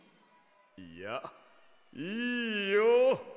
いやいいよ。